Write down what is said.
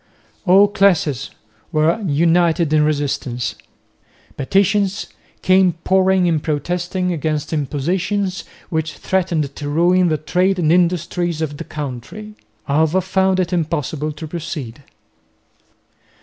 All classes were united in resistance. Petitions came pouring in protesting against impositions which threatened to ruin the trade and industries of the country. Alva found it impossible to proceed.